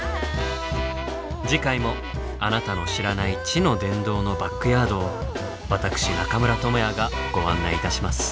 次回もあなたの知らない「知の殿堂」のバックヤードを私中村倫也がご案内いたします。